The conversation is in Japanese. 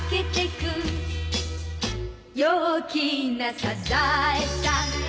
「陽気なサザエさん」